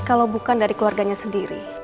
kalau bukan dari keluarganya sendiri